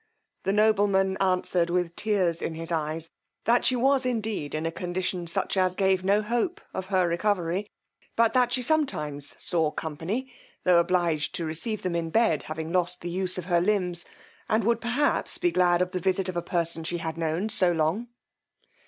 The nobleman answered, with tears in his eyes, that she was indeed in a condition such as give no hope of her recovery, but that she sometimes saw company, tho' obliged to receive them in bed, having lost the use of her limbs, and would perhaps be glad of the visit of a person she had known so long.